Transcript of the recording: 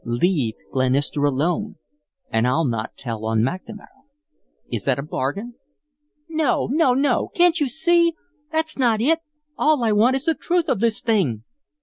Leave Glenister alone and I'll not tell on McNamara. Is it a bargain?" "No, no, no! Can't you SEE? That's not it. All I want is the truth of this thing."